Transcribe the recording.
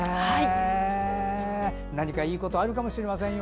何かいいことあるかもしれませんよ